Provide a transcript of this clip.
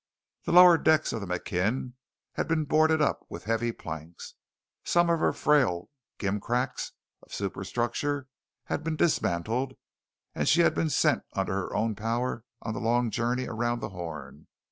The lower decks of the McKim had been boarded up with heavy planks; some of her frailer gimcracks of superstructure had been dismantled, and then she had been sent under her own power on the long journey around the Horn.